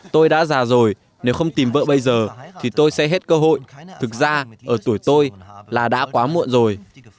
tôi đã già rồi nếu không tìm vợ bây giờ thì tôi sẽ hết cơ hội thực ra ở tuổi tôi là đã quá muộn rồi